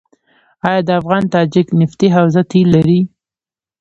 آیا د افغان تاجک نفتي حوزه تیل لري؟